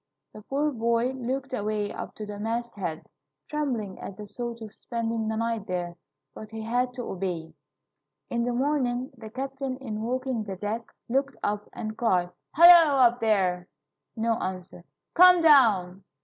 The poor boy looked away up to the masthead, trembling at the thought of spending the night there, but he had to obey. In the morning the captain, in walking the deck, looked up, and cried, "Halloo, up there!" No answer. "Come down!"